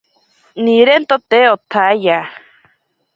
Nirento te otsaiya.